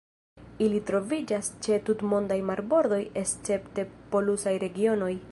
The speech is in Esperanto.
Ili troviĝas ĉe tutmondaj marbordoj escepte polusaj regionoj.